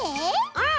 うん！